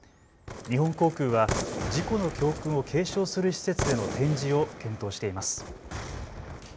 日本航空は事故の教訓を継承する施設での展示を検討しています。